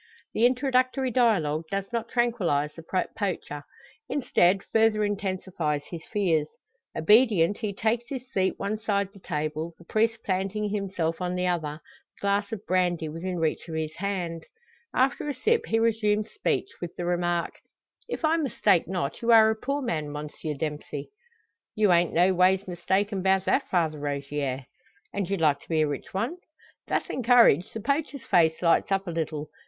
The introductory dialogue does not tranquillise the poacher; instead, further intensifies his fears. Obedient, he takes his seat one side the table, the priest planting himself on the other, the glass of brandy within reach of his hand. After a sip, he resumes speech with the remark: "If I mistake not, you are a poor man, Monsieur Dempsey?" "You ain't no ways mistaken 'bout that, Father Rogier." "And you'd like to be a rich one?" Thus encouraged, the poacher's face lights up a little.